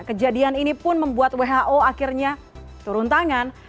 kejadian ini pun membuat who akhirnya turun tangan